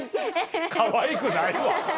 かわいくないわ！